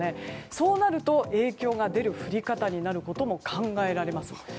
そうなると、影響が出る降り方になることも考えられます。